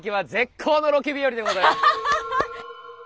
ハハハ！